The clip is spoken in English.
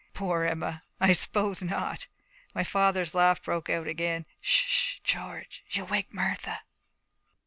Poor Emma, I suppose not.' My father's laugh broke out again. 'S sh, George you'll wake Martha.'